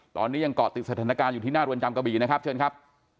ตอนนี้ยังเกาะติดสถานการณ์อยู่ที่หน้าเรือนจำกะบี่นะครับเชิญครับ